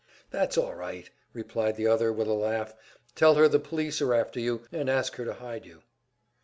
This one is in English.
"That's all right," replied the other, with a laugh. "Tell her the police are after you, and ask her to hide you."